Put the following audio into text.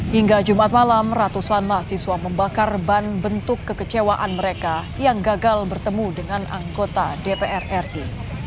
hingga jumat malam ratusan mahasiswa membakar ban bentuk kekecewaan mereka yang gagal bertemu dengan anggota dpr ri